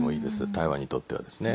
台湾にとってはですね。